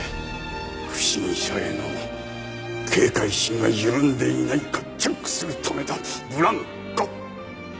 不審者への警戒心が緩んでいないかチェックするためだブランコ。